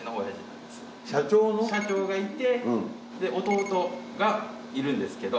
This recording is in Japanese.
社長がいて弟がいるんですけど。